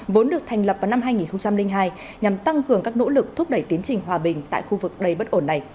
vốn được thành lập vào năm hai nghìn hai nhằm tăng cường các nỗ lực thúc đẩy tiến trình hòa bình tại khu vực đầy bất ổn này